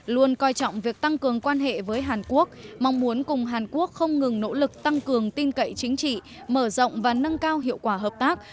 luôn coi trọng việc tăng cường quan hệ với hàn quốc mong muốn cùng hàn quốc không ngừng nỗ lực tăng cường tin cậy chính trị mở rộng và nâng cao hiệu quả hợp tác